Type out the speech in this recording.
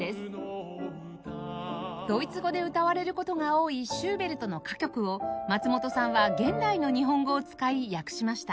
ドイツ語で歌われる事が多いシューベルトの歌曲を松本さんは現代の日本語を使い訳しました